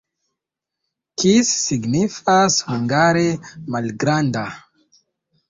Kis signifas hungare malgranda.